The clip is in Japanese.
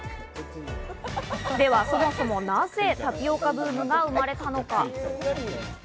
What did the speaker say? ではそもそも、なぜタピオカブームが生まれたのか？